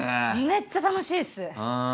めっちゃ楽しいっす！